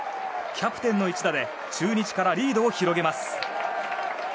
キャプテンの一打で中日からリードを広げます。